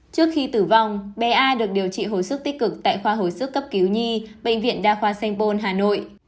trước khi tử vong bé a được điều trị hồi sức tích cực tại khoa hồi sức cấp cứu nhi bệnh viện đa khoa sanh pôn hà nội